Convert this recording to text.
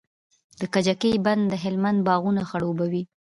د کجکي بند د هلمند باغونه خړوبوي.